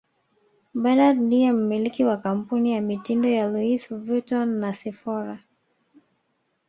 Bernard ndiye mmiliki wa kampuni ya mitindo ya Louis Vuitton na Sephora